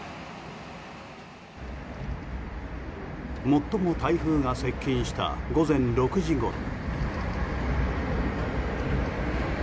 最も台風が接近した午前６時ごろ。